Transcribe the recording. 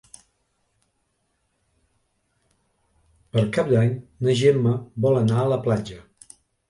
Per Cap d'Any na Gemma vol anar a la platja.